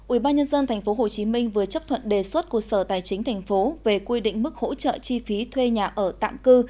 ubnd tp hcm vừa chấp thuận đề xuất của sở tài chính tp về quy định mức hỗ trợ chi phí thuê nhà ở tạm cư